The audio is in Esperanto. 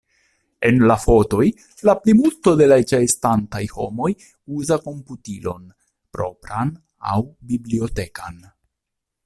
En la fotoj, la plimulto de la ĉeestantaj homoj uzas komputilon propran aŭ bibliotekan.